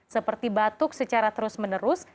seperti batuk secara terus menerus